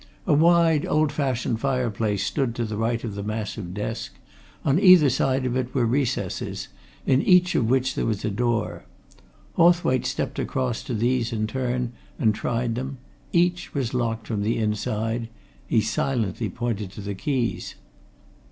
A wide, old fashioned fire place stood to the right of the massive desk; on either side of it were recesses, in each of which there was a door. Hawthwaite stepped across to these in turn and tried them; each was locked from the inside; he silently pointed to the keys.